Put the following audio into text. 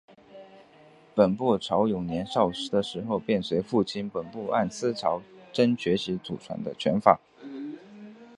本部朝勇年少的时候便跟随父亲本部按司朝真学习祖传的拳法。